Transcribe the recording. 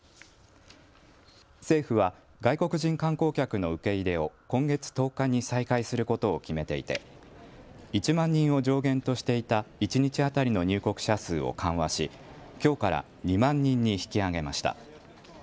政府は外国人観光客の受け入れを今月１０日に再開することを決めていて１万人を上限としていた一日当たりの入国者数を緩和しきょうから２万人に引き上げました。